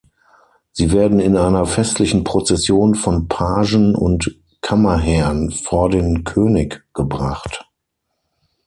Sie werden in einer festlichen Prozession von Pagen und Kammerherrn vor den König gebracht.